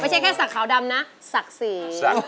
ไม่ใช่แค่สักขาวดำนะสักสี